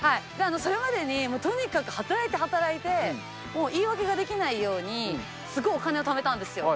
それまでにとにかく働いて働いて、もう言い訳ができないようにすごいお金をためたんですよ。